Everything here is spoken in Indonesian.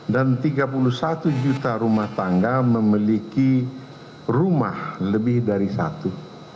dan tiga puluh satu juta rumah tangga memiliki rumah lebih dari satu